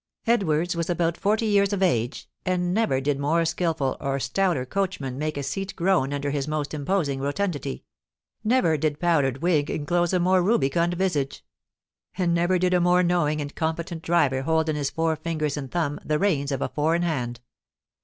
Edwards was about forty years of age, and never did more skilful or stouter coachman make a seat groan under his most imposing rotundity; never did powdered wig enclose a more rubicund visage; and never did a more knowing and competent driver hold in his four fingers and thumb the reins of a four in hand.